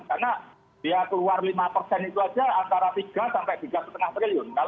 karena dia keluar lima persen itu saja antara tiga sampai tiga lima triliun